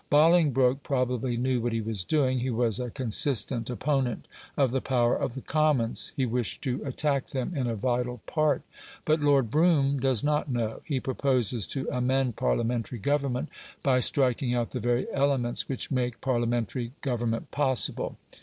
Bolingbroke probably knew what he was doing; he was a consistent opponent of the power of the Commons; he wished to attack them in a vital part. But Lord Brougham does not know; he proposes to amend Parliamentary government by striking out the very elements which make Parliamentary government possible.